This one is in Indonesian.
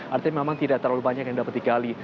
artinya memang tidak terlalu banyak yang dapat digali